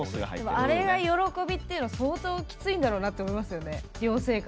あれが喜びっていうのは相当、きついんだろうなと思いますよね寮生活。